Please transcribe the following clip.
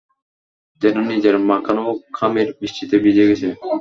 যেন নিজের মাখানো খামির বৃষ্টিতে ভিজে গেছে।